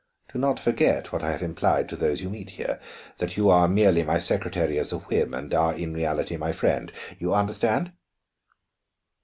Do not forget what I have implied to those you meet here: that you are merely my secretary as a whim, and are in reality my friend. You understand?"